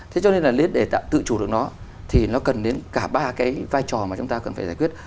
thế cho nên là để tự chủ được nó thì nó cần đến cả ba cái vai trò mà chúng ta cần phải giải quyết